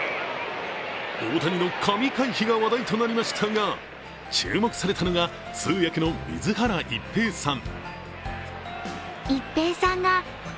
大谷の神回避が話題となりましたが注目されたのが通訳の水原一平さん。